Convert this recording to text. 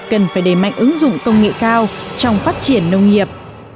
cần phải đề mạnh ứng dụng công nghệ cao trong phát triển nông nghiệp